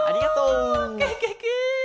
ケケケ！